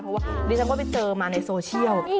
ผมมาพาเจอกันโทรเซียล